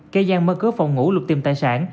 cây gian mất cửa phòng ngủ lục tìm tài sản